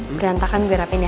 berantakan gue rapin ya